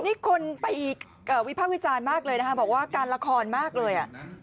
นี่คนไปวิภาควิจารณ์มากเลยนะคะบอกว่าการละครมากเลยอ่ะ